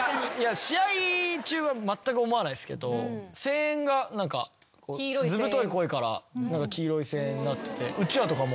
試合中はまったく思わないっすけど声援が何かずぶとい声から黄色い声援になってて。